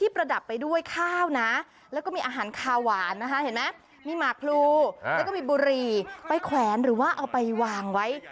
ไปแขวนหรือเอาไปวางไว้